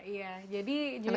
iya jadi judulnya